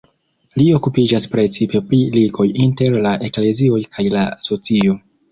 Li okupiĝas precipe pri ligoj inter la eklezioj kaj la socio.